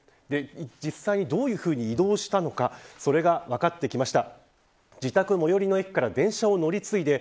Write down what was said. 実際どういうふうに移動したのかそれが分かってきました。